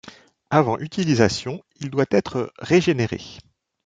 Avant utilisation, il doit être régénéré.